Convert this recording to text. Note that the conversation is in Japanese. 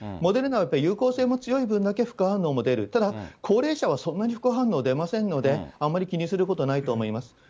モデルナはやっぱり有効性も強い分だけ副反応も出る、高齢者はそんなに副反応出ませんので、あんまり気にすることないと思います。